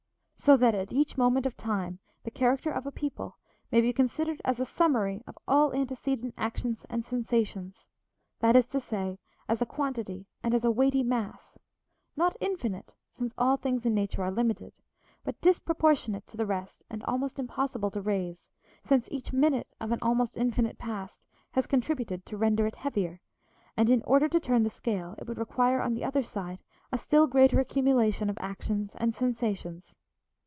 So that at each moment of time the character of a people may be considered as a summary of all antecedent actions and sensations; that is to say, as a quantity and as a weighty mass, not infinite, since all things in nature are limited, but disproportionate to the rest and almost impossible to raise, since each minute of an almost infinite past has contributed to render it heavier, and, in order to turn the scale, it would require, on the other side, a still greater accumulation of actions and sensations.